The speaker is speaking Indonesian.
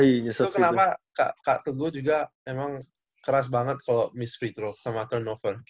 itu kenapa kak teguh juga emang keras banget kalau miss free throw sama turnover